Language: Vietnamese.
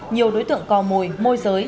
nhiều đối tượng co môi môi giới